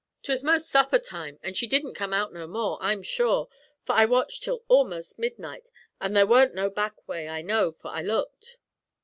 'Twas most supper time, and she didn't come out no more, I'm sure, for I watched till most midnight, an' there wa'n't no back way, I know, for I looked.'